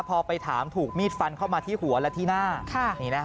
พอไปถามถูกมีดฟันเข้ามาที่หัวและที่หน้า